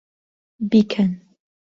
بیکەن!